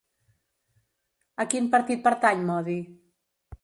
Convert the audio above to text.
A quin partit pertany Modi?